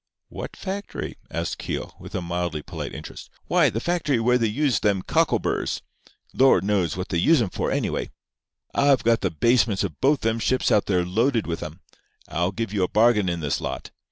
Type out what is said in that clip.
"What factory?" asked Keogh, with a mildly polite interest. "Why, the factory where they use them cockleburrs. Lord knows what they use 'em for, anyway! I've got the basements of both them ships out there loaded with 'em. I'll give you a bargain in this lot.